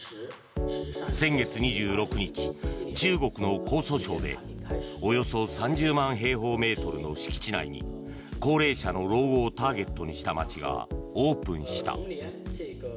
先月２６日、中国の江蘇省でおよそ３０万平方メートルの敷地内に高齢者の老後をターゲットにした街がオープンした。